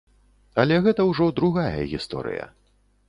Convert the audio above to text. Але гэта ўжо другая гісторыя.